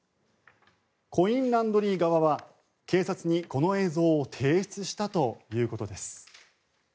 コインランドリー側は警察にこの映像を提出したということです。